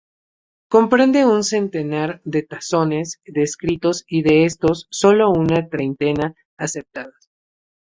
Comprende un centenar de taxones descritos y de estos, solo una treintena aceptadas.